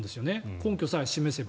根拠さえ示せば。